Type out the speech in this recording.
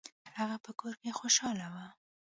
هغه په کور کې خوشحاله و.